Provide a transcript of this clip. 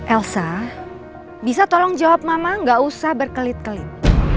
elsa bisa tolong jawab mama gak usah berkelit kelit